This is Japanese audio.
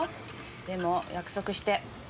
でも約束して。